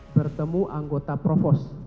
bertemu anggota provos